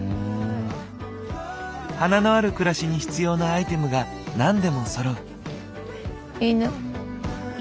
花のある暮らしに必要なアイテムが何でもそろう。